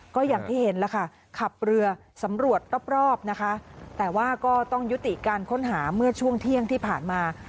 ก็อย่างที่เห็นแล้วค่ะขับเรือสำรวจรอบนะคะแต่ว่าก็ต้องยุติการค้นหาเมื่อช่วงเที่ยงที่ผ่านมา